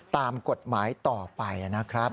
ตามกฎหมายต่อไปนะครับ